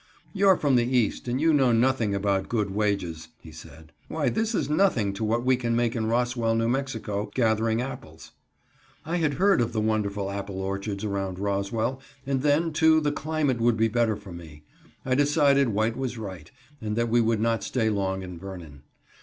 "You're from the East, and you know nothing about good wages," he said. "Why this is nothing to what we can make in Roswell, New Mexico, gathering apples." I had heard of the wonderful apple orchards around Roswell, and then, too, the climate would be better for me. I decided White was right, and that we would not stay long in Vernon.